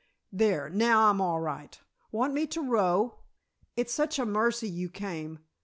There, now I'm all right. Want me to row? It's such a mercy you came.